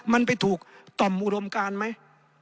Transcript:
มันไปถูกต่อมอุดมการไหม